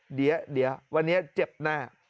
เดี๋ยววันนี้เจ็บแน่